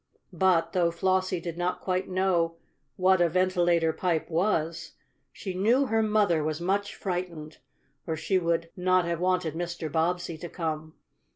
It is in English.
But, though Flossie did not quite know what a ventilator pipe was, she knew her mother was much frightened, or she would not have wanted Mr. Bobbsey to come.